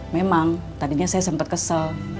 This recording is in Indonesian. memang tadinya saya sempat kesel